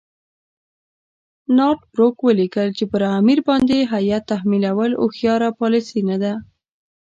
نارت بروک ولیکل چې پر امیر باندې هیات تحمیلول هوښیاره پالیسي نه ده.